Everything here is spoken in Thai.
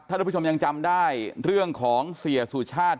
ทุกผู้ชมยังจำได้เรื่องของเสียสุชาติ